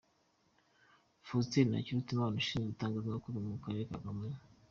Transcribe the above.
Faustin Ntakirutimana Ushinzwe Itangazamakuru mu Karere ka Kamonyi.